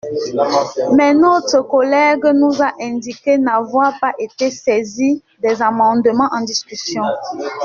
Mais notre collègue nous a indiqué n’avoir pas été saisi des amendements en discussion.